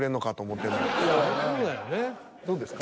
どうですか？